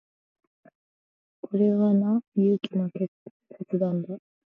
これはな、勇気の切断だ。